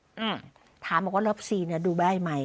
อืมถามออกว่ารอบซีน่ะดูได้ไหม